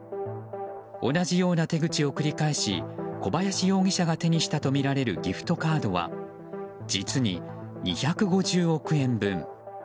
同じような手口を繰り返し小林容疑者が手にしたとみられるギフトカードは実に２５０億円分。